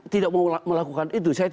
tidak mau melakukan itu